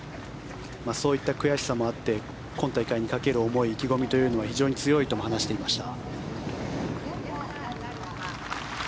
そういった悔しさもあって今大会にかける思い意気込みというのは非常に強いとも話していました。